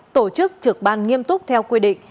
tổ chức trực ban nghiêm túc theo quy định